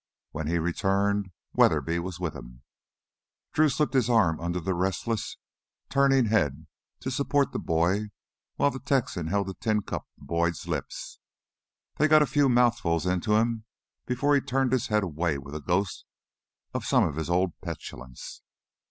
When he returned, Weatherby was with him. Drew slipped his arm under that restlessly turning head to support the boy while the Texan held the tin cup to Boyd's lips. They got a few mouthfuls into him before he turned his head away with a ghost of some of his old petulance.